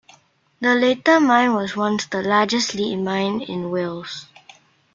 The later mine was once the largest lead mine in Wales.